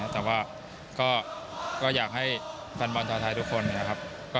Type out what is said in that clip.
แต่ว่าก็อยากให้แฟนบอลชาวไทยทุกคนนะครับ